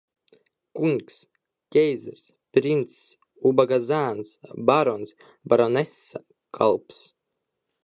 Kungs, ķeizars, princis, ubaga zēns, barons, baronese, kalps.